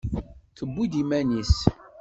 Tewwi-d iman-is.